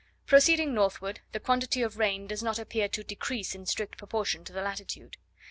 Proceeding northward, the quantity of rain does not appear to decrease in strict proportion to the latitude.